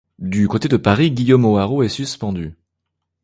Du côté de Paris, Guillaume Hoarau est suspendu.